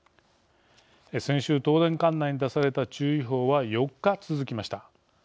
先週東電管内に出された注意報は４日続きました。